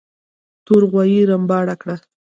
تور غوايي رمباړه کړه.